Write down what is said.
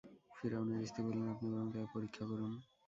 ফিরআউনের স্ত্রী বললেন, আপনি বরং তাকে পরীক্ষা করুন।